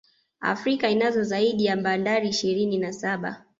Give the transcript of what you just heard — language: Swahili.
Afrika inazo zaidi ya Bandari ishirini na saba